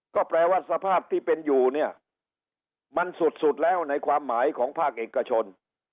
ก็แปลว่าสภาพที่เป็นอยู่เนี่ยมันสุดแล้วในความหมายของภาคเอกชน